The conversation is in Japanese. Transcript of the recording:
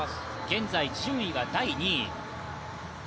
現在順位は第２位。